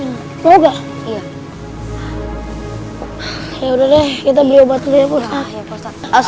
ya pak ustadz asal asal kita beli obatnya ya pak ustadz musa